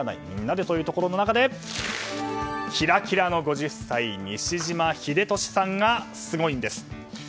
みんなでというところの中でキラキラの５０歳西島秀俊さんがすごいんです。